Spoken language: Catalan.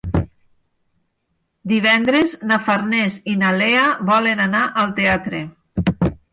Divendres na Farners i na Lea volen anar al teatre.